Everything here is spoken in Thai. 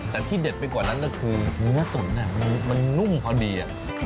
แต่ที่เด็ดไปกว่านั้นก็คือเนื้อตุ๋นมันนุ่มพอดี